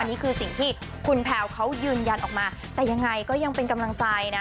นี่คือสิ่งที่คุณแพลวเขายืนยันออกมาแต่ยังไงก็ยังเป็นกำลังใจนะ